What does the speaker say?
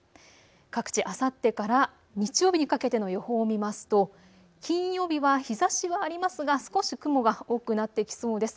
各地あさってから日曜日にかけての予報を見ますと金曜日は日ざしはありますが少し雲が多くなってきそうです。